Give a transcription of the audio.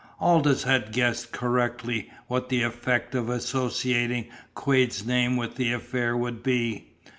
Aldous had guessed correctly what the effect of associating Quade's name with the affair would be.